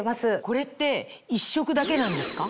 これって１色だけなんですか？